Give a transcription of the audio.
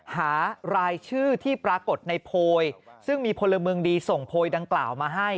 หารายชื่อที่ปรากฏในโพยซึ่งมีพลเมืองดีส่งโพยดังกล่าวมาให้